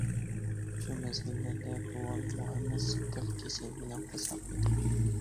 شۇ مەزگىللەردە بوۋام مۇھەممەت سىدىق كېسەل بىلەن قازا قىلدى.